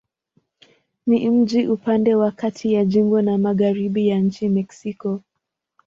Ni mji upande wa kati ya jimbo na magharibi ya nchi Mexiko.